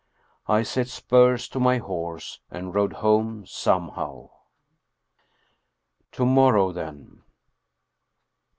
I set spurs to my horse and rode home somehow. To morrow, then!